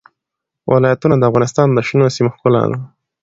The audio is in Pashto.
ولایتونه د افغانستان د شنو سیمو ښکلا ده.